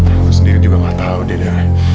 aku sendiri juga gak tahu deda